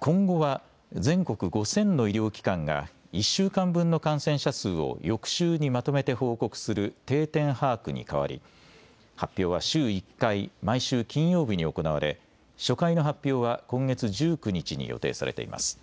今後は全国５０００の医療機関が１週間分の感染者数を翌週にまとめて報告する定点把握に変わり、発表は週１回、毎週金曜日に行われ、初回の発表は今月１９日に予定されています。